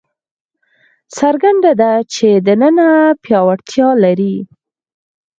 څرګنده ده چې دننه پیاوړتیا لري.